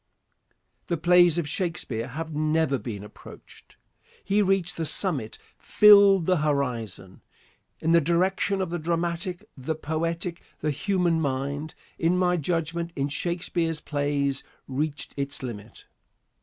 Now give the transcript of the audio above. The plays of Shakespeare have never been approached. He reached the summit, filled the horizon. In the direction of the dramatic, the poetic, the human mind, in my judgment, in Shakespeare's plays reached its limit.